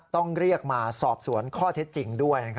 ต้องเรียกมาสอบสวนข้อเท็จจริงด้วย